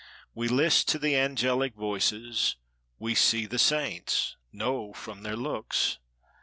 We list to the angelic voices; We see the saints (know from their looks).